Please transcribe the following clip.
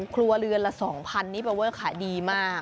ครัวเรือนละ๒๐๐๐บาทนี่เป็นเวอร์ค่ะดีมาก